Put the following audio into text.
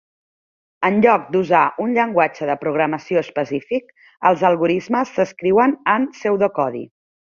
Enlloc d"usar un llenguatge de programació específic, els algoritmes s"escriuen en pseudocodi.